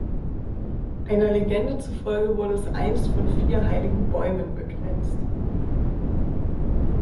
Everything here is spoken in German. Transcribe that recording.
Einer Legende zufolge wurde es einst von vier heiligen Bäumen begrenzt.